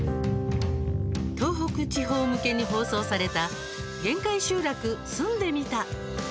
東北地方向けに放送された「限界集落住んでみた」。